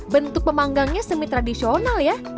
bentuk pemanggangnya semi tradisional ya